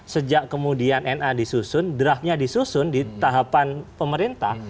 sejak kemudian na disusun draftnya disusun di tahapan pemerintah